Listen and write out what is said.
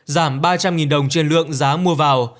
giảm ba trăm linh đồng trên lượng giá mua vào